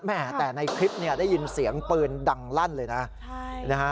แม่แต่ในคลิปได้ยินเสียงปืนดังลั่นเลยนะฮะ